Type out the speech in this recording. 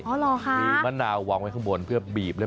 เหรอคะมีมะนาววางไว้ข้างบนเพื่อบีบเลย